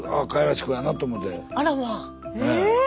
ええ！